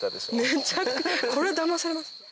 めちゃくちゃこれだまされます。